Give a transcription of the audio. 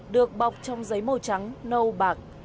được bọc trong giấy màu trắng nâu bạc